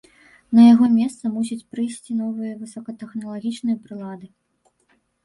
На яго месца мусяць прыйсці новыя высокатэхналагічныя прылады.